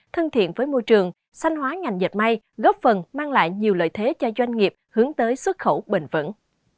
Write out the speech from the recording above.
thân thiện với môi trường xanh hóa ngành dệt may góp phần mang lại nhiều lợi thế cho doanh nghiệp hướng tới xuất khẩu bền vững